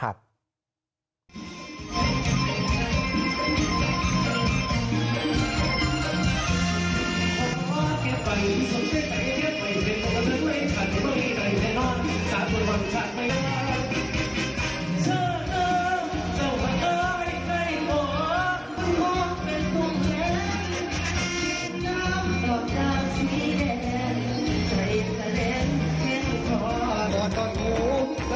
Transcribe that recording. กลับตามชีวิตแห่งใจกลับเล่นแค่ความรอดก่อนโห